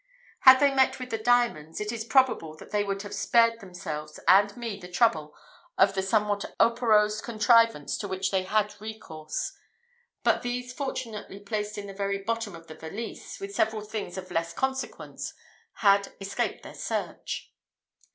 Had they met with the diamonds, it is probable that they would have spared themselves and me the trouble of the somewhat operose contrivance to which they had recourse; but these, fortunately placed in the very bottom of the valise, with several things of less consequence, had escaped their search.